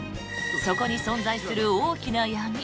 そこに存在する大きな闇。